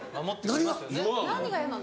・何が嫌なの？